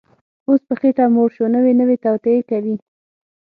اوس په خېټه موړ شو، نوې نوې توطیې کوي